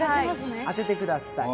当ててください。